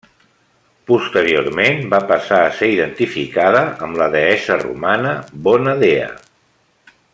Posteriorment va passar a ser identificada amb la deessa romana Bona Dea.